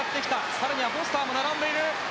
更にはフォスターも並んでいる。